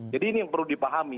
jadi ini yang perlu dipahami